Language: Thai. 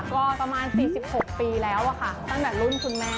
ก็ประมาณ๔๖ปีแล้วค่ะตั้งแต่รุ่นคุณแม่